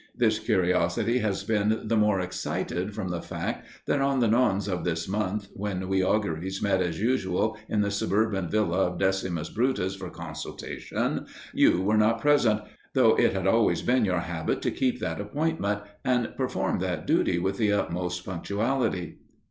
This curiosity has been the more excited from the fact that on the Nones of this month, when we augurs met as usual in the suburban villa of Decimus Brutus for consultation, you were not present, though it had always been your habit to keep that appointment and perform that duty with the utmost punctuality.